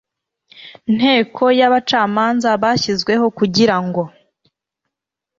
nteko y abacamanza bashyizweho kugira ngo